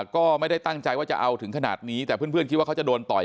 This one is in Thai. ก็ไม่ได้ตั้งใจว่าจะเอาถึงขนาดนี้แต่เพื่อนคิดว่าเขาจะโดนต่อย